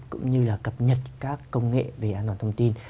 cũng như là cập nhật các công nghệ về an toàn thông tin